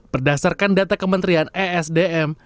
berdasarkan data kementerian esdm